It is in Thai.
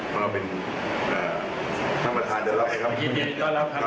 เพราะว่าเป็นท่านประธานทรัพย์ครับ